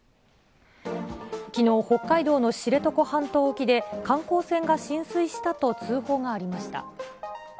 きのう、北海道の知床半島沖で、観光船が浸水したと通報がありました。